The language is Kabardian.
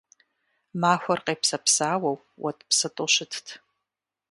Махуэр къепсэпсауэу уэтӀпсытӀу щытт.